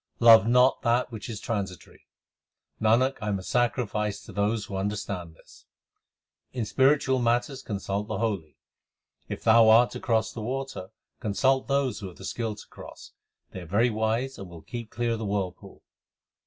Love not that which is transitory ; Nanak, I am a sacrifice to those who understand this. In spiritual matters consult the holy : If thou art to cross the water, consult those who have the skill to cross : They are very wise and will keep clear of the whirlpool.